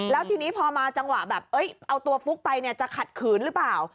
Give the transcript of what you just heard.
แล้วทีนี้พอมาจังหวะแบบเอาตัวฟุ๊กไปเนี่ยจะขัดขืนหรือเปล่า